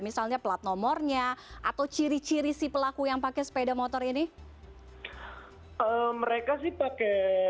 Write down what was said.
misalnya plat nomornya atau ciri ciri si pelaku yang pakai sepeda motor ini mereka sih pakai